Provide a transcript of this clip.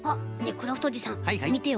クラフトおじさんみてよ。